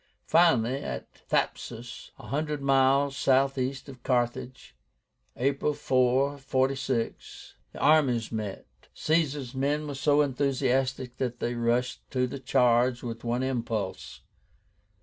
Finally, at THAPSUS, one hundred miles southeast of Carthage, April 4, 46, the armies met. Caesar's men were so enthusiastic that they rushed to the charge with one impulse.